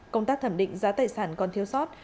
công tác thẩm định giá tài sản còn thiếu sót